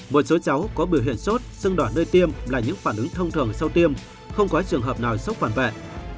một số cháu có biểu hiện sốt sưng đỏ nơi tiêm là những phản ứng thông thường sau tiêm không có trường hợp nào sốc phản vệ